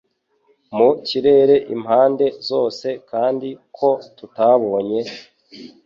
mu kirere impande zose kandi ko tutabonye